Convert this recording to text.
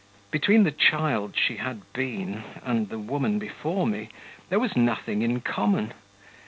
Between the child she had been and the woman before me, there was nothing in common.